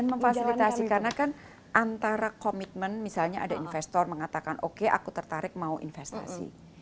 memfasilitasi karena kan antara komitmen misalnya ada investor mengatakan oke aku tertarik mau investasi